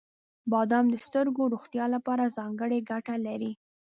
• بادام د سترګو روغتیا لپاره ځانګړې ګټه لري.